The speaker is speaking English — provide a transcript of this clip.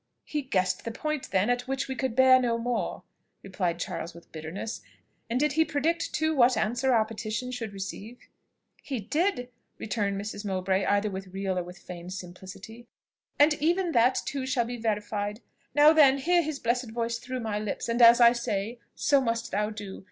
"He guessed the point, then, at which we could bear no more," replied Charles with bitterness: "and did he predict too what answer our petition should receive?" "He did," returned Mrs. Mowbray either with real or with feigned simplicity; "and even that too shall be verified. Now, then, hear his blessed voice through my lips; and as I say, so must thou do.